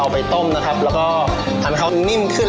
ไปต้มนะครับแล้วก็ทำให้เขานิ่มขึ้น